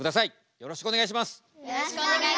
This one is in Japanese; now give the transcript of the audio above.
よろしくお願いします。